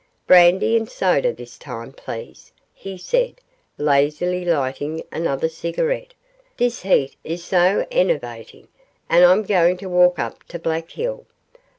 'Brandy and soda this time, please,' he said, lazily lighting another cigarette; 'this heat is so enervating, and I'm going to walk up to Black Hill.